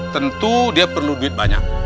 tentu dia perlu duit banyak